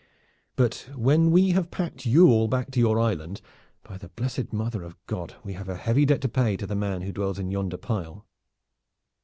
But when we have packed you all back to your island, by the Blessed Mother of God, we have a heavy debt to pay to the man who dwells in yonder pile!"